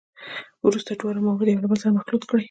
وروسته دواړه مواد یو له بل سره مخلوط کړئ.